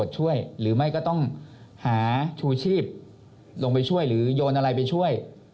ช่วยหรือไม่ก็ต้องหาชูชีพลงไปช่วยหรือโยนอะไรไปช่วย